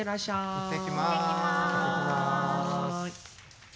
行ってきます。